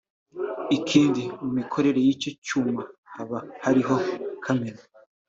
Ikindi mu mikorere y’icyo cyuma haba hariho “camera